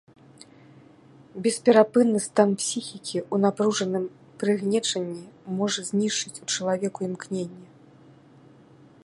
Бесперапынны стан псіхікі ў напружаным прыгнечанні можа знішчыць у чалавеку імкненне.